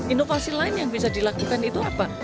inovasi lain yang bisa dilakukan itu apa